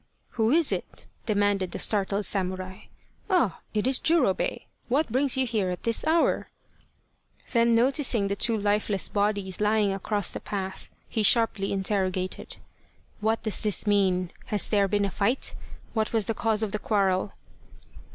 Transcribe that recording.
" Who is it ?" demanded the startled samurai. " Ah it is Jurobei ! What brings you here at this hour ?" Then noticing the two lifeless bodies lying across the path, he sharply interrogated, " What does this mean ? Has there been a fight ? What was the cause of the quarrel